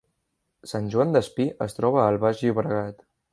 sant Joan Despí es troba al Baix Llobregat